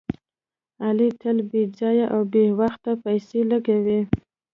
علي تل بې ځایه او بې وخته پیسې لګوي.